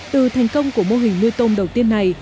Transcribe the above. từ thành công của mô hình nuôi tôm đầu tiên này